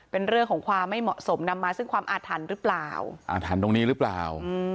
เป็นเรื่องของความไม่เหมาะสมนำมาซึ่งความอาถรรพ์หรือเปล่าอาถรรพ์ตรงนี้หรือเปล่า